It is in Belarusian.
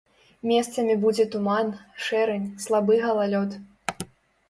Месцамі будзе туман, шэрань, слабы галалёд.